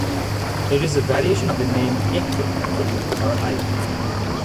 It is a variation of the name Ekke or Eike.